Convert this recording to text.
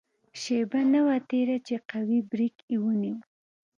شېبه نه وه تېره چې قوي بریک یې ونیو.